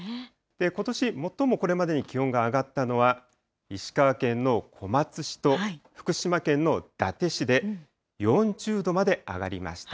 ことし最もこれまでに気温が上がったのは、石川県の小松市と福島県の伊達市で、４０度まで上がりました。